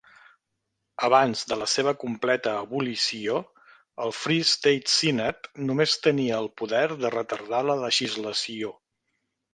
Abans de la seva completa abolició, el Free State Seanad només tenia el poder de retardar la legislació.